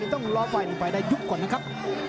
ต้องรอไว้ไปได้ยุคก่อนนะครับ